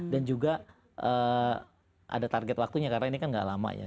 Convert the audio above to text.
dan juga ada target waktunya karena ini kan gak lama ya